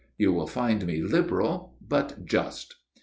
You will find me liberal but just."